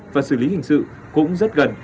và xử lý hình sự cũng rất gần